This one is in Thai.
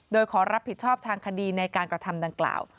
โดยขอรับผิดชอบทางคดีในการกระทำดังกล่าว